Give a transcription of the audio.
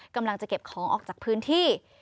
กำลังจะเก็บของออกจากพื้นที่